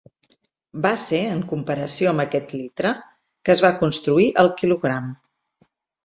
Va ser en comparació amb aquest litre que es va construir el quilogram.